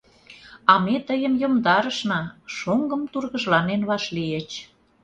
— А ме тыйым йомдарышна, — шоҥгым тургыжланен вашлийыч.